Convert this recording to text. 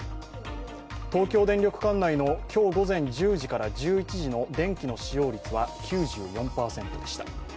東京電力管内の今日午前１０時から１１時の電気の使用率は９４％でした。